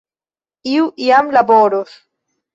Iu jam laboros!